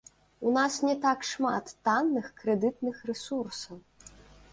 У нас не так шмат танных крэдытных рэсурсаў.